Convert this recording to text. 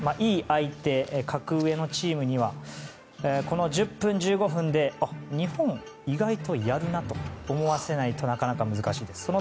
いい相手、格上のチームには１０分、１５分で日本、意外とやるなと思わせないとなかなか難しいです。